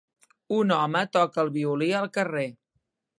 Un home toca el violí al carrer.